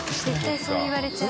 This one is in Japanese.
絶対そう言われちゃう。